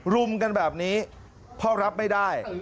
รุมกันแบบนี้พ่อรับไม่ได้